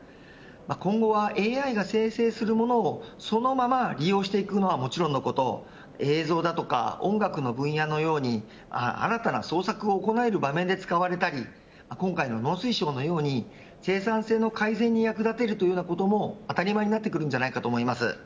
今後は、ＡＩが生成するものをそのまま利用していくのはもちろんのこと映像だとか音楽の分野のように新たな創作を行える場面で使われたり今回の農水省のように生産性の改善に役立てるというようなことも、当たり前になってくるんじゃないかと思います。